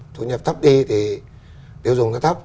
thu nhập thấp đi thì tiêu dùng nó thấp